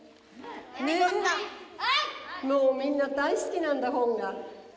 みんな大好きなんだ本が。